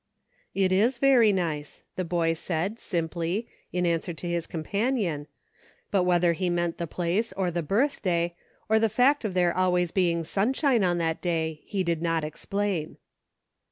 " It is very nice," the boy said, simply, in answer to his companion, but whether he meant the place. EIGHT AND TWELVE. 3 or the birthday, or the fact of there always being sunshine on that day, he did not explain.